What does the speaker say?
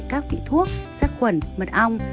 các vị thuốc sát khuẩn mật ong